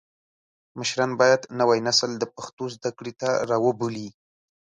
مشران باید نوی نسل د پښتو زده کړې ته راوبولي.